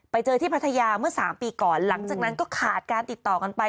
ไปเจอที่พัทยาเมื่อ๓ปีก่อนหลังจากนั้นก็ขาดการติดต่อกันไป